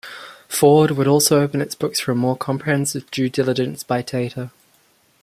Ford would also open its books for a more comprehensive due diligence by Tata.